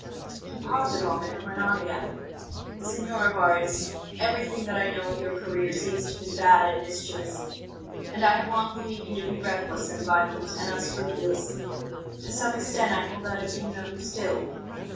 He paused a moment, and went on again: "Signor Rivarez, everything that I know of your career seems to me bad and mischievous; and I have long believed you to be reckless and violent and unscrupulous. To some extent I hold that opinion of you still.